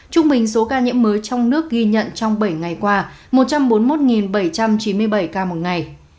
trung bình số ca nhiễm mới trong nước ghi nhận trong bảy ngày qua một trăm bốn mươi một bảy trăm chín mươi bảy ca một ngày